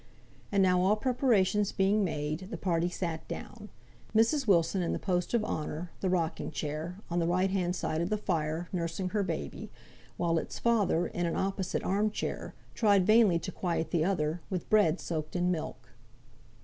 And now all preparations being made, the party sat down; Mrs. Wilson in the post of honour, the rocking chair on the right hand side of the fire, nursing her baby, while its father, in an opposite arm chair, tried vainly to quieten the other with bread soaked in milk.